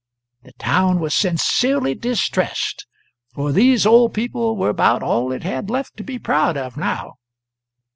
The town was sincerely distressed; for these old people were about all it had left to be proud of, now.